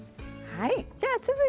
はい。